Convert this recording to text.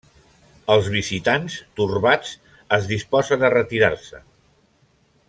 Els visitants, torbats, es disposen a retirar-se.